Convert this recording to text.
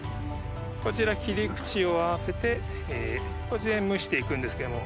こちら切り口を合わせてこっちで蒸して行くんですけども。